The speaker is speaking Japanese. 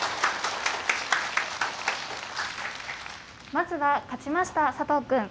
まずは勝ちました佐藤くん